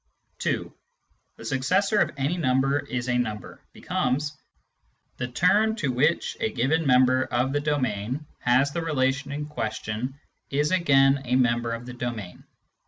(2) " The successor of any number is a number " becomes :" The term to which a given member of the domain has the rela tion in question is again a member of the domain."